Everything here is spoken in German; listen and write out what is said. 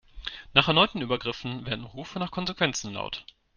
Nach erneuten Übergriffen werden Rufe nach Konsequenzen laut.